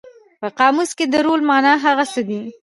په قاموس کې د رول مانا هغه څه دي.